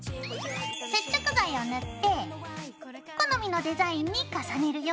接着剤を塗って好みのデザインに重ねるよ。